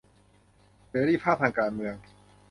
เสรีภาพทางการเมือง